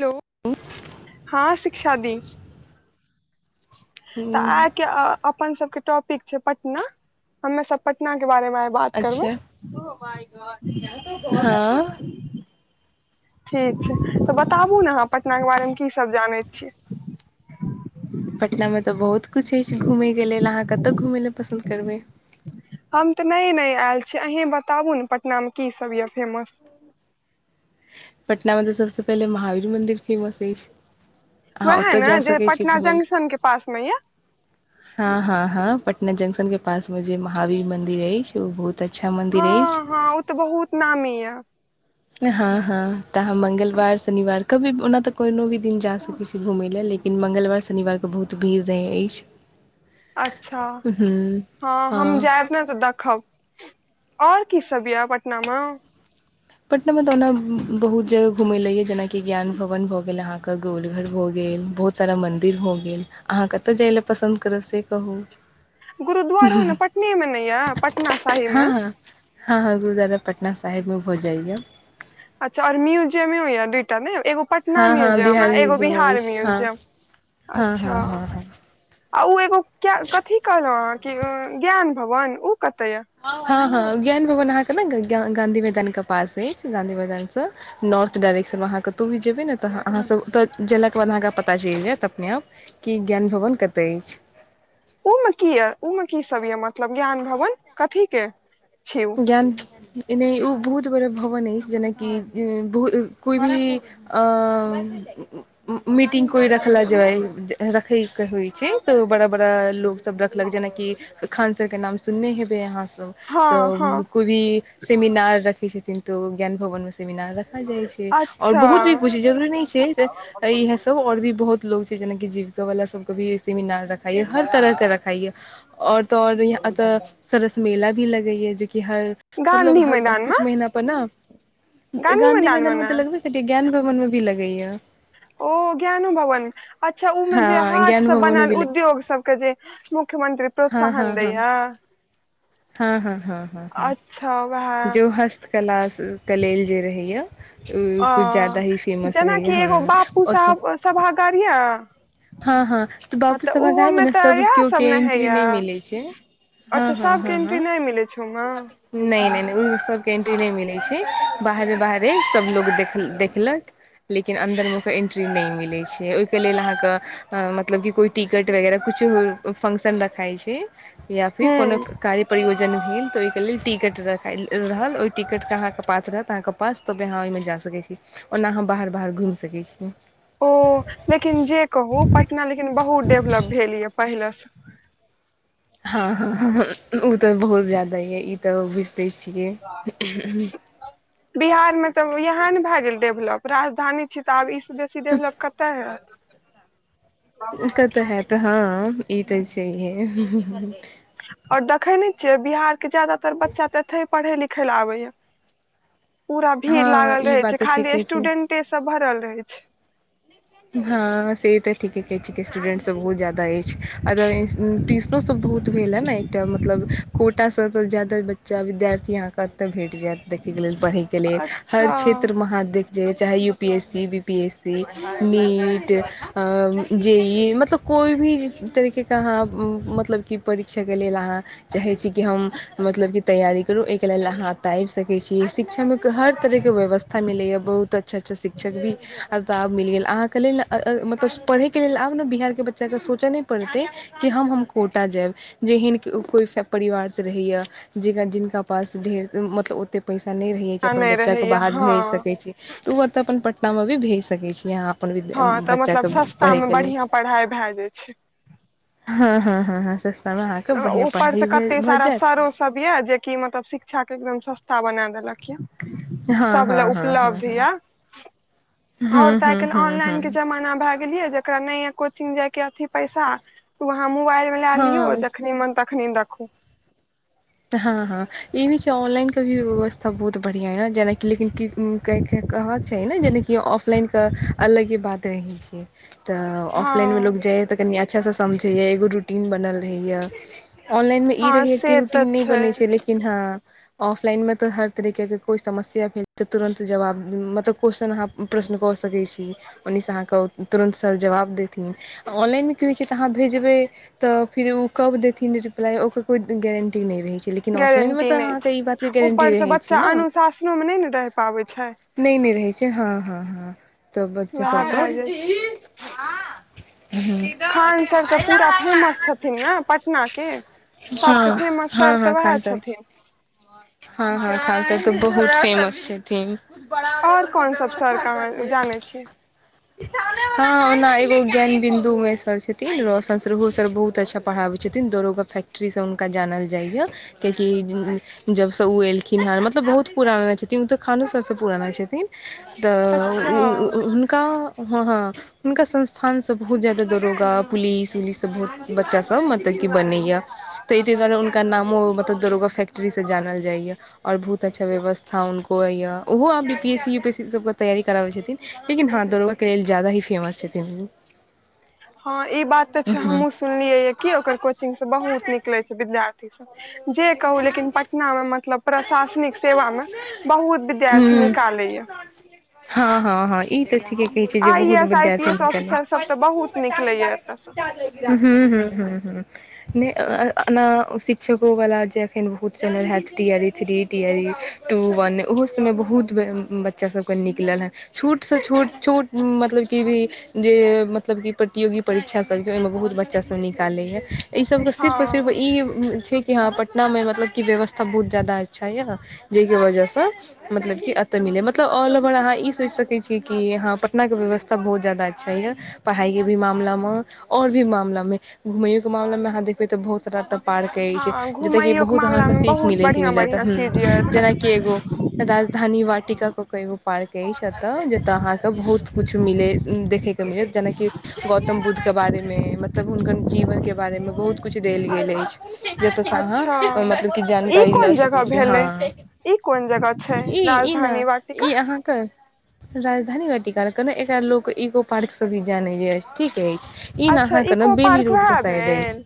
Hello हँ शिक्षा दी तऽ ह आइ के अपन सबके टॉपिक छै पटना हमे सब पटना के बारेमे आई बात अच्छा करबै ओ माई गॉड ये तो बोहोत अच्छा हँ टॉपीक है ठीक छै तऽ बताबु ने अहाँ पटना के बारेमे की सब जानै छियै पटनामे तऽ बहुत किछु अछि घूमयके लेल अहाँ कतय घूमय लेल पसन्द करबै हम तऽ न‌ए न‌ए आयल छी अहीं बताबु ने पटना मे की सब य फेमस पटना मे तऽ सबसे पहिले महावीर मन्दिर फेमस अछि अहाँ उएह ओतय जा ने जे सकैत छी पटना घूमय लए जंक्शनके पासमे यऽ हँ हँ हँ पटना जंक्शन के पास में जे महावीर मंदिर अछि ओ बहुत अच्छा हँ मन्दिर अछि हँ ओ तऽ बहुत नामी यऽ हँ हँ त हम मंगलवार शनिवार कभी ओना त कोइनो भी दिन जा सकैत छी घुमय लए लेकिन मंगलवार शनिवारके बहुत भीड़ रहै अछि अच्छा हँ हम जायब ने तऽ देखब और की सब या पटनामे पटना मे तऽ ओना बहुत जगह घुम ले य जेनाकि ज्ञान भवन भए गेल अहाँके गोलघर भऽ गेल बहुत सा मंदिर भ गेल अहाँ कतय जाय लेल पसंद करब से कहू गुरुद्वारो ने पटने मे या यऽ पटना हँ साहिबमे हँ हँ हँ गुरुद्वारा पटना साहेब मे भऽ जाइएा अच्छा आर म्यजियामे होया दइटा ने एगो पटना हँ हँ म्यूजियम बिहार एगो म्यूजियम बिहार अछि हँ म्यूजियम हँ अच्छा हँ हँ आ ओ एगो कथी कहलहुं अह के ज्ञान भवन कतऽ ये हँ हँ ज्ञान भवन अहाँ के ने गांधी मैदान के पास अछि गंधी मैदान से नार्थ डायरेक्शन मे अहाँ के तू भी जेबै ने तऽ अहाँ ओतऽ गेलाके बाद अहाँके पता चलि जायत अपने आप कि ज्ञान भवन कतय अछि ओमे की यए ओमे कीसभ यए मतलब ज्ञान भवन कथीकेँ ज्ञान एना ओ बहुत बड़ा भवन अछि जेनाकि कोइ भी आ मीटिंग कोइ रखला रखै के होइ छै तऽ बड़ा बड़ा लोग सब रखलक जेना कि खान सर के नाम सुनने हेबइ आहा सब त हँ हँ कोइ भी सेमिनार राखै छथिन ज्ञान भवनमे सेमिनार रखल जाइ छै और अच्छा बहुत भी कुछ जरूरी नै छै इहे सब और भी बहुत लोकोग छै जेना कि जीविका वाला सबके भी ऐसे ही ला रखाइ हर तरह क रखाइय आऔर तऽ आओर यहाँ तऽ सरस मेल भी लग हर गाँधी मतलब मैदान मे कुछ महीना पर ने गाँंधी मैदान मे तऽ लगबे कर ज्ञान भवन मे भी लगैया ओ ज्ञानुभवन अच्छा उमे जे हँ ज्ञान हाथसँ भवन मे भी बनल लग उद्योग सबके जे मुख्यमंत्री हँ हँ प्रोत्साहन हँ दैया [inaudible] हँ ह ह ह ह जो हस्तकला के लेल जे रहैया ओ कुछ ज्याददा ही फेमस रहै जेनाकि हम एगो बापू ओ तऽ साहब सभागार ये हँ हँ तऽ बापू सभाागारमे ओहोमे ने तऽ सभ इएह केओ सब के ने एंट्री होइये नहि मिलैत छै हँ अच्छा हँ सबके हँ एंट्री हँ नहि मिलै छै ओहिमे नहि नहि नहि ओ कैंटीने मिलै छै बाहरे बाहरे सब लोग देख देखलक लेकिन अन्दरमे ओकर एन्ट्री नहि मिलैत छै ओहिके लेल अहाँके मतलब क कोइ टिकट वगैरह कि किछु फंक्शन रखइ छै या फिर कोनो हूँ कार्य प्रयोजन भेल तऽ ओहिके लेल टिकट रख रहल ओहिटिकटके अहाँके पास रहत अहाँके पास तबे अहाँ ओहिमे जा सकैत छी ओना अहाँ बाहराह घम छी घूमि सकै छियै ओ लेकिन जे कहू पटना लेकिन बहुत डेभलप भेल यए पहिलेसँ [inaudible] हँ हँ ओ तऽ बहुत ज्यादा यै ई तऽ छियै बिहारमे तब यहाँ ने भए गेल डेभलप राजधानी छी तऽ आब ईस बेसी डेभलप कत' होएत कतऽ हयत हँ ई तऽ छैहे आओर देखै ने छियै बिहार के जादातर बच्चा तऽ छै पढ़ै लिखै लए आबै य पूरा भीड़ हँ लागल ई रहै बात छै तऽ खाली ठीके छै स्टूडेंटे सब भरल रहै छै हँ से तऽ ठीके कहैत छिकै स्टूडेंटसभ बहुत ज्यादा अछि अगर ट्यूशनो सब बहुत भेल है ने एकटा मतलब कोटासँ तऽ जादा बच्चा विद्यार्थी यहाँके कतय भेट जायत देखै के लेल पढ़यके लेल हर अच्छा क्षेत्रमे अहाँ देख जाइय चाहे U P S C B P S C NEET आ जेई मतलब कोइ भी देखेके अहाँ मतलब कि परीक्षा के लेल अहाँ चाहे छी कि हम मतलब कि तैयारी करू एहिके लेल अहाँ एत' आबि सकैत छीयै शिक्षा मे हर तरह के व्यवस्था मिले या बहुत अच्छा अच्छा शिक्षक भी आब त आहांके लेल मतलब पढइके लेल आब ने बिहार के बच्चा के सोचइ नै परतइ कि की हम आब कोटा जायब जेहन स्कूल सं परिवार से रहैये जिनका पास ढेर मतलब ओते पैसा अओ नहि रहैये कि आ अपन नहि बच्चाके रहैये बाहर भेज हँ सकैत छी तऽ ओतऽ अपन पटनामे भी भेज सकै छी अहाँ अपन हँ तऽ मतलब बच्चाके सस्तामे पढ़यके लेल बढ़िआँ पढ़ाइ भए जाइ छै हँ हँ हँ हँ स ऊपर से कते सारा सरो सब यै जेकि मतलब शिक्षा के एकदम सस्ता बना देलक यै हँ सब हँ लै हँ उपलब्ध य और तऽ आइ काल्हि ऑनलाइन के जमाना भ बुझलियै जेकरा नहि ये कोचिग जे के अथि पैसा वहां मोबाइलमे लए लियौ हँ जखने मन तख हीं देखू तहियो व्यवस्था बहुत बढ़िया हे जेनाकि लेकिन कहऽके छै नहि जेनाकि ऑफलाइनके अलगे बात रहै छै तऽ हँ ऑफलाइनमे लोक जायै तऽ कनि अच्छासँ समझै एगो रूटीन बनल रहैये ऑनलाइनमे ई हँ रहैय कि से तऽ रूटीन नहि बनैत छै लेकिन हँ ऑफलाइनमे त हर तरहके जे कोई समस्या भेल छै त तुरंत जवाब मतलब कॉस्चन प्रश्न क सकै छी ओनीसं आहाँके तुरंत सर जवाब देथिन ऑनलाइनमे की होइ छैय तऽ अहाँ भेजबै तऽ फेर ओ कब देथिन रिप्लाइ ओकर कोइ गेरं लेकिन ऑफलाइनमे गारंटी नहि अहांके ई बात के छै गारेंटी ऊपरसँ रहै छै बच्चा न अनुशासनोमे नहि ने रहि पाबै छै नहि नहि रहै छै हँ हँ हँ तऽ बच्चा वेहा भ' सबके जाय छै खान सर तऽ पूरा फेमस छथिन ने पटनाके सबसं हँ फेमस सर हँ तऽ हँ वएह खान सर छथिन हँ हँ खान सर तऽ बहुत फेमस छथिन बड़ा और लेबल कोन सब सर व्यवस्था के करिहें जानै छियै की खानेमे हं नाहि ए ज्ञान बिन्दुमे सर छथिन रौशन सर बहुत अच्छा पढ़ाबै छथिन दरोगा फै् ट्री सं हुनका जानल छै किया कि जबसे ऊ एलखिन हन मतलब बहुत पुराना छथिन ऊ तो खानों सर से कमाय छथिन तऽ अच्छा उ उ हुंनका हँ हँ हुनका संस्थान से बहुत जा्यदा दरोगा पुलिस उलिस बच्चा सभ मतलब की बनै या त ई त कहलौं मो मतलब दरोगा फैक्ट्री से जानल जाइए और बहुत अच्छा व्यवस्था हुनको अय य ओहो आबि P S C U P S ई सबके तैयारी कराबै छथिन लेकिन हँ दड़ोगाके लेल जादा ही फेमस छथिन। फ [inaudible] हँ ई बात तऽ छैय उहूँ हमहुँ सुनलियै य कि ओकर कोचिंग से बहुत निकलै छैय विद्यार्थी सब। जे कहू लेकिन पटना मे मतलब प्रशासनिक सेवा मे बहुत विद्यार्थी हूँ निकाल लै या हँ हँ के कहै छियई जे आई ए बहुत एस आई पी विद्यार्थी एस ऑफिसर सब तऽ निकालि बहुत निकलैया एतय से लै या। हूं हूं हूं हूं ने ना ओ शिक्षक ओ वला जे अखन बहुत चल्ल हैत T R E three T आ ई टू वन ओहो सबमे बहुत बच्चा सबके निकल है। छोटसँ छोट छोट मतलब की भी जे मतलब की प्रतियोगी परीक्षा सब जे ओहिमे बहुत बच्चा सब निकालै ई सबके सिर्फ सिर्फ हँ ई छै कि हँ पटना मे मतलब कि व्यवस्था बहुत जादा अच्छा यऽ जाहिके वजहसँ मतलब कि अत मतलब ऑल ओवर अहाँ ई सोच सकै छीयै कि यहां पटना के व्यवस्था बहुत जादा अच्छा य पढ़ाई के ई मामलामे और भी मामलामे घुमेयो के मामलामे अहाँ देखबे तऽ बहुत सारा तऽ पार्क अछि। हँ जत की घुमैयो बहुत अहाँ मामला के मे सीख बहुत मिलैत बढ़िया मिलेत बढ़िया चीज ये हुं एतऽ जेनाकि एगो राजधानी काटिका क क एगो पार्क‌ अछि। तऽ जतय अहाँके बहुत किछु मिलै देखैके मिलत जेनाकि गौतम बुद्धके बारेमे मतलब हुनकर जीवनके बारेमे बहुत किछु देल गेल अछि। जतयसे अहाँ अच्छा मतलब क ई जानकारी लऽ कोन सकै जगह छी हाँ। भेलै ई कोन जगह छै ई ई ने राजधानी वाटिका ई अहाँके राजधानी क टिक के ने एकरा लोक इको पार्क से भी जाने जा ठीक अइछ ई न अच्छा अहाँ के ने इको बेली पार्क रोड के वएह साइड अइछ भेल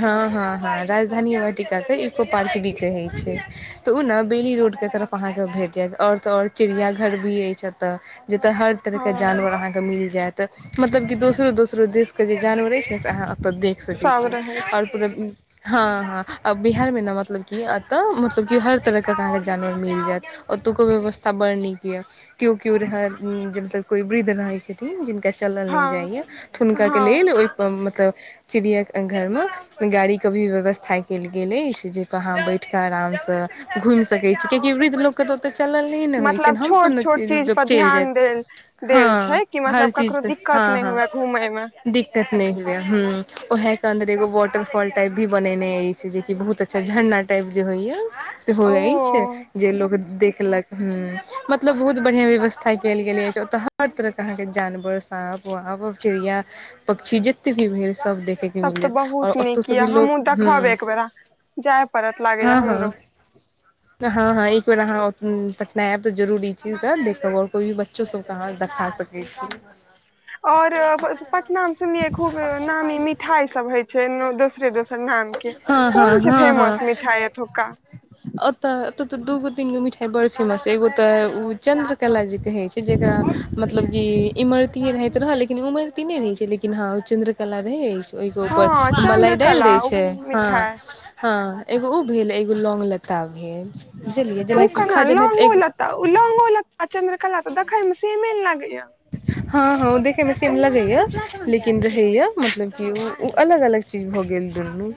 हाँ हाँ हाँ। राजधानीटिका के इको पार्क भी कहे छैय ते उ ने बेनी रोड के तरफ अहां के भेट जायत। ओर तऽ ओर चिड़िया घर भी अइछ एतऽ जतय हर तरह के हँ जानवर अहाँके मिल जायत मतलब की दोसरो दोसरो देश के जे जानवरे छैय से अहाँ ओतय देख सकै सब छी रहै छै ओर पूब हाँ हाँ आ बिहारमे ने मतलब कि एतय मतलब कि हर तरहके अहाॅंके जानवर मिल जायत। ओतुक व्यवस्था बड़ नीक ये को के्यो रह जबतक कोई वृद्ध रहे छथिन जिनका चलल नहि हँ जाइय तऽ हुनका के हँ लेल ओहि मतलब चिड़िया घर मे गाड़ी के भी व्यवस्था कल गेल कहाँ बैठ के आराम से घुम सकै छी कियाकि वृद्ध लोक के तऽ ओत चलल होइ छैयन मतलब हम सब छोट ने छोट चीज चल पर जायत ह ध्यान देल देल हाँ छै कि हर मतलब चीज ककरो पर दिक्कत हाँ नहि हाँ हुए घूमय मे त नहि है ह ओ हे अन्दरगो वाटर फाॅल टाइप भी बनेने अइछ जे कि बहुत अच्छा झरना टाइप जे होइया। सेहो ओ अइछे जे लोक देख देखलक ह्म मतलब बहुत बढ़ियां व्यवस्था कयल गेले ह ते हर तरह के अहाँ के जानवर साप पोह चिड़िया पक्षी जते भी भेल सब देखे के मिल जायत और किया हमहुँ देखब एकबेरा जाय पड़त लागैए हमरो। हाँ हाँ एक बेार अहाँ पटना आब जरूरी चीज देख ओर को भी बच्चो सबके अहाँ देखा सकै छी। ओर पटनामे सुनलियै खूब नामी मिठाई सभ होइ छैय दोस श्री दोसर नाम के हँ हँ कोनस हँ फेमस मिठाई एतुका? एत ते दूगो तीनगो मिठाई बड़ फेमस एगो तऽ उ चंन्द्र कला जे कहे छैय जेकरा मतलब कि इमरति रहैत रहल लेकिन उमरतीे नहि रहै छैय लेकिन हाँ ओ चंन्द्रकला रहै अछि। ओग हँ ऊपर मलाई डालि चंन्द्रकला दाय छैय हाँ मिठाई हाँ एगो उ भेल एगो लोंग ल [unintelligible] ओ केना जेनाइ लौंगो एगो लेता लौंगो लेता चंन्द्रकला त देखे में सीमेने लाग हाँ हाँ ओ देखै मे सेम लगै य लेकिन रहेय मतलब की उ अलग अलग चीज भऽ गेल दुनू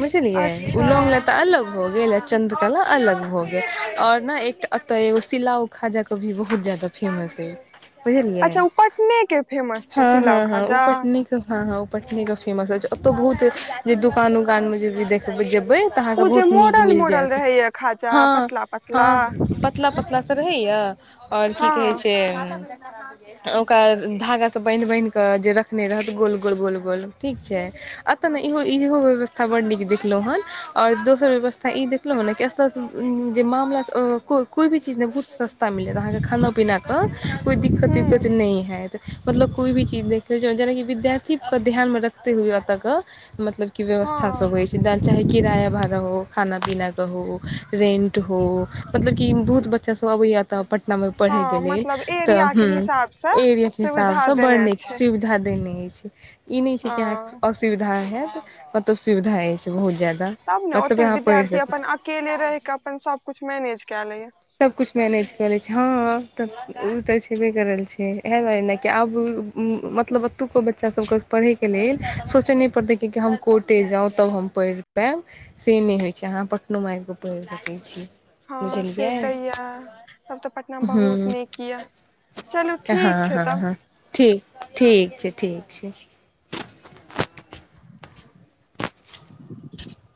बुझलियै उ अच्छा लोंग लता अलग भऽ गेल आ चन्द्रकला अलग भऽ गेल आओर न एकटा तऽ एगो सिलाउ खाजा कभी बहुत जादा फेमस अछि बुझलियै अच्छा ओ पटने के फेमस छै हाँ हाँ सिलाव हाँ ओ खाजा पटनेक भाहो हाँ हाँ पटने के फेमस अछि ओत्तौ बहुत जे दोकान ओकान मे जेबै देखबिही बै तऽ अहाँके ओ जे बहुत नीक मोड़ल मिल मोड़ल जायत रहैया खाजा हाँ पतला पतला हाँ पतला पतला सा रहैए आओर की हँ कहैत छै [inaudible] ओकरा धागासे बान्हि बान्हिकऽ जे रखने रहत गोल गोल गोल गोल ठीक छै अतऽ नहि इहो व्यवस्था बड्ड नीक देखलौं हन आओर दोसर व्यवस्था ई देखलौं हन ने कि एतऽ मामला सँ ओ कोइ कोइ भी चीज सस्ता मिल रहल अए खाना पीना कऽ कोइ दिक्कत हूँ उक्कत नहि हैत मतलब कोइ भी चीज देखबै जेनाकि विद्यार्थी पर ध्यान मे रखते हुए एतऽ कऽ मतलब कि हँ व्यवस्था सब होइ छै चाहे किराया भाड़ा हो खाना पीना हो रेंट हो मतलब की बहुत बच्चा सब अबैया तऽ पट नामे हँ पढ़ैके लेल मतलब तऽ एरिया के हूँ हिसाब से एरिया के सुविधा हिसाबसे बड़ देने नीक छै सुविधा देने अछि ई नै छै कि हँ अहाँके असुविधा हेत अत्त सुविधा अछि बहुत ज्यादा तब ने मतलब ओतेक अहाँ पढ़ि विद्यार्थी सकै अपन छी अकेले रहि कऽ अपन सब कुछ मैनेज कऽ लै ये सबकिछु मैनेज करै छै हँअ् तब ओ तऽ छेबे करल छै ऐहे दुआरे ने कि आब मतलब ओतुका बच्चा सबके पढ़े के लेल सोचे नई पड़तैइ कि हम कोटे जाउ तब हम पढ़ि पायब से नै होइ छै अहाँ पटनो मे आबि कऽ पढ़ि सकैत छी हँ से बुझलियै य तब तऽ पटना बहुत हँ नीक य चलू ठीक हँ छै हँ तब हँ ठीक ठीक छै ठीक छै